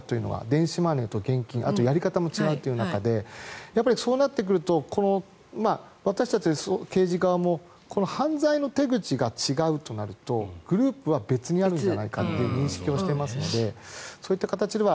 電子マネーと現金あと、やり方も違う中でそうなってくると私たち刑事側もこの犯罪の手口が違うとなるとグループは別にあるんじゃないかという認識をしていますのでそういった形では。